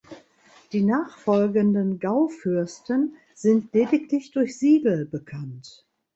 Die nachfolgenden Gaufürsten sind lediglich durch Siegel bekannt.